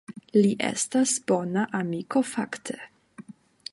Li estas bona amiko fakte.